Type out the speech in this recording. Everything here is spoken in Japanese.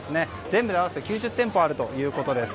全部で合わせて９０店舗あるということです。